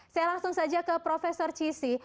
saya langsung saja ke prof cissy